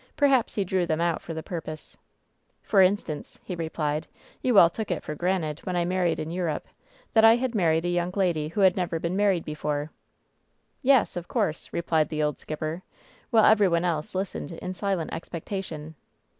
Perhaps he drew them out for the purpose. "For instance," he replied, "you all took it for granted, when I married in Europe, that I had married a young lady who had never been married before." "Yes, of course," replied the old skipper, while every one else listened in silent expectation.